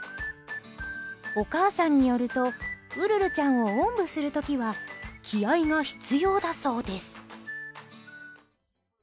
お母さんによるとウルルちゃんをおんぶする時は気合が必要だそうです。